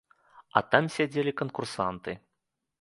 А там сядзелі канкурсанты.